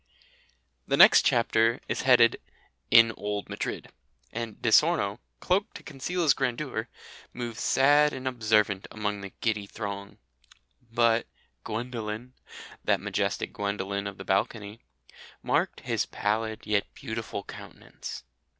The next chapter is headed "In Old Madrid," and Di Sorno, cloaked to conceal his grandeur, "moves sad and observant among the giddy throng." But "Gwendolen" the majestic Gwendolen of the balcony "marked his pallid yet beautiful countenance."